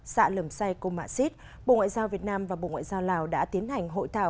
xã lầm say cô mạ xít bộ ngoại giao việt nam và bộ ngoại giao lào đã tiến hành hội thảo